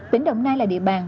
tỉnh đồng nai là địa bàn